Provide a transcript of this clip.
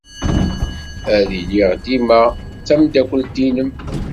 Ad iliɣ dima d tameddakelt-nnem.